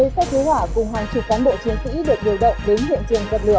một mươi xe cứu hỏa cùng hàng chục cán bộ chiến sĩ được điều động đến hiện trường dập lửa